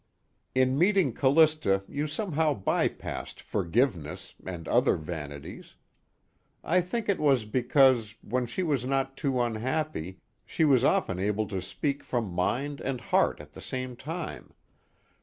In meeting Callista you somehow by passed "forgiveness" and other vanities. I think it was because, when she was not too unhappy, she was often able to speak from mind and heart at the same time.